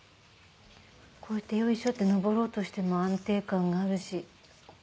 こうやってよいしょって登ろうとしても安定感があるし。